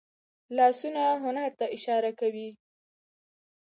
لاسونه هنر ته اشاره کوي